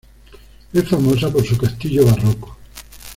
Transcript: Es famosa por su castillo barroco.